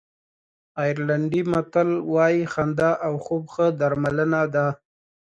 آیرلېنډي متل وایي خندا او خوب ښه درملنه ده.